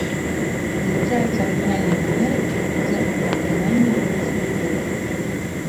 Вылучаецца арыгінальнай манерай канцэртнага выканання музычных твораў.